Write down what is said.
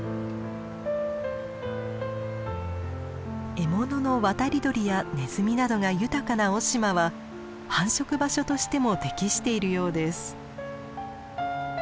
獲物の渡り鳥やネズミなどが豊かな雄島は繁殖場所としても適しているようです。